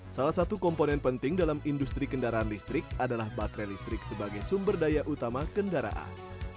salah satu komponen penting dalam industri kendaraan listrik adalah baterai listrik sebagai sumber daya utama kendaraan